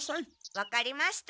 わかりました。